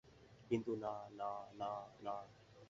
কিন্তু না, না, না, না।